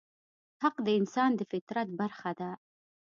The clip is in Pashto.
حق د انسان د فطرت برخه ده.